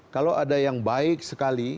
kalau ada yang baik sekali